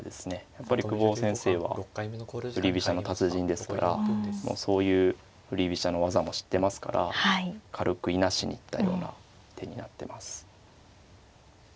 やっぱり久保先生は振り飛車の達人ですからもうそういう振り飛車の技も知ってますから軽くいなしに行ったような手になってます。